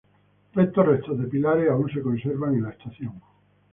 Estos restos de pilares aún se conservan en la estación.